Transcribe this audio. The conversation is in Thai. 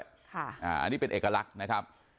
อันนี้เป็นเอกลักษณ์นะครับ